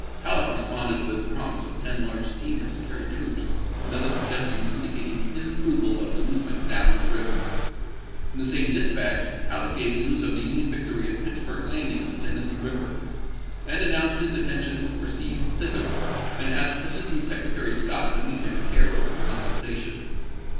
Halleck responded with the promise of ten large steamers to carry troops, and other suggestions indicating his approval of the move ment "down the river." In the same dispatch Halleck gave news of the Union victory at Pitts burg Landing on the Tennessee River, and an nounced his intention to proceed thither, and asked Assistant Secretary Scott to meet him at Caii'o for consultation.